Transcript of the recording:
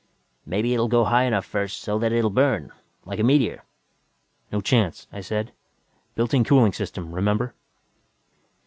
"Maybe it'll go high enough first so that it'll burn. Like a meteor." "No chance," I said. "Built in cooling system, remember?"